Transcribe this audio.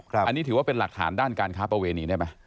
อันนี้ถือว่าเป็นหลักฐานด้านการค้าประเวณีได้ไหม